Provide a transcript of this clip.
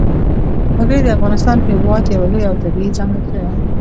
وګړي د افغانستان هېواد یوه لویه او طبیعي ځانګړتیا ده.